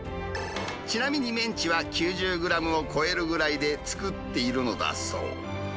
ちなみにメンチは９０グラムを超えるぐらいで作っているのだそう。